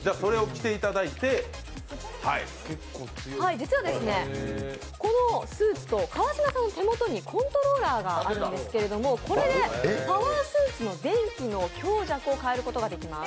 実はこのスーツと川島さんの手元にコントローラーがあるんですけども、これでパワースーツの電気の強弱を変えることができます。